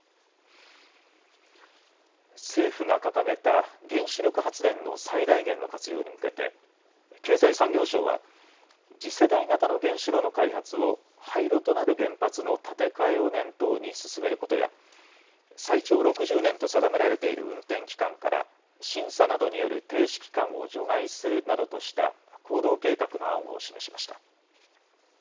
政府が掲げた原子力発電の最大限の活用に向けて経済産業省は次世代型の原子炉の開発を廃炉となる原発の建て替えを念頭に進めることや最長６０年と定められている運転期間から審査などによる停止期間を除外するなどとした行動計画の案を示しました。